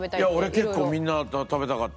俺結構みんな食べたかった。